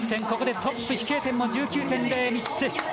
ここでトップ飛型点も１９．０が３つ。